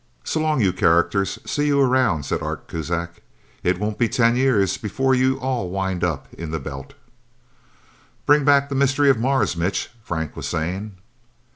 "So long, you characters see you around," said Art Kuzak. "It won't be ten years, before you all wind up in the Belt." "Bring back the Mystery of Mars, Mitch!" Frank was saying.